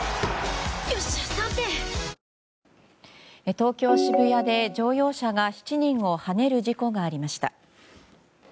東京・渋谷で乗用車が７人をはねる事故がありました。